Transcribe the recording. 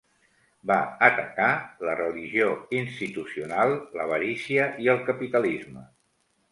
Va atacar la religió institucional, l'avarícia i el capitalisme.